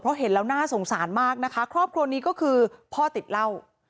เพราะเห็นแล้วน่าสงสารมากนะคะครอบครัวนี้ก็คือพ่อติดเหล้า